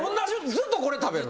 ずっとこれ食べるの？